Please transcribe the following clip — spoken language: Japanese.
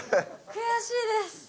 悔しいです。